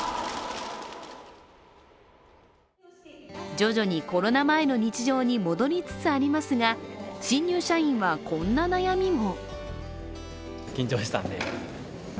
徐々にコロナ前の日常に戻りつつありますが新入社員はこんな悩みも。